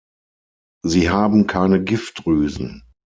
Sie haben keine Giftdrüsen.